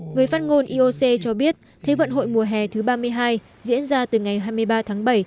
người phát ngôn ioc cho biết thế vận hội mùa hè thứ ba mươi hai diễn ra từ ngày hai mươi ba tháng bảy